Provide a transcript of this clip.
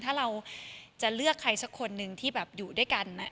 ถ้าเราจะเลือกใครสักคนหนึ่งที่แบบอยู่ด้วยกัน